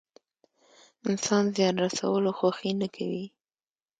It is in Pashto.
انسان زيان رسولو خوښي نه کوي.